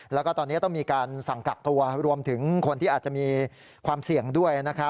แล้วก็ตอนนี้ต้องมีการสั่งกักตัวรวมถึงคนที่อาจจะมีความเสี่ยงด้วย